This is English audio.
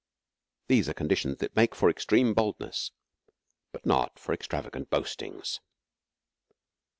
These are conditions that make for extreme boldness, but not for extravagant boastings.